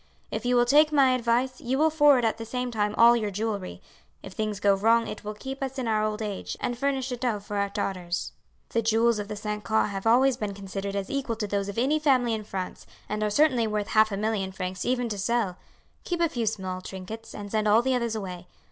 If you will take my advice you will forward at the same time all your jewelry. If things go wrong it will keep us in our old age and furnish a dot for our daughters. "The jewels of the St. Caux have always been considered as equal to those of any family in France, and are certainly worth half a million francs even to sell. Keep a few small trinkets, and send all the others away.